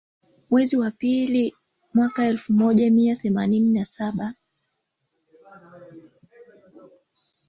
mwezi wa pili mwaka elfu moja mia saba themanini na tisa alichaguliwa kuwa rais